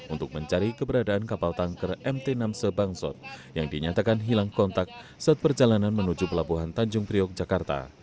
untuk mencari keberadaan kapal tanker mt enam c bangsot yang dinyatakan hilang kontak saat perjalanan menuju pelabuhan tanjung priok jakarta